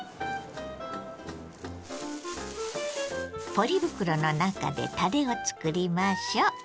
ポリ袋の中でタレを作りましょ。